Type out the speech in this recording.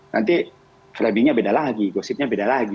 nanti framingnya beda lagi gosipnya beda lagi